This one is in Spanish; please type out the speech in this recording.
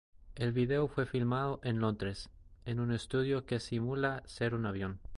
El video fue filmado en Londres, en un estudio que simula ser un avión.